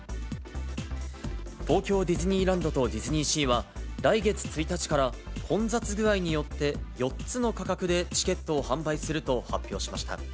東京ディズニーランドとディズニーシーは、来月１日から、混雑具合によって、４つの価格でチケットを販売すると発表しました。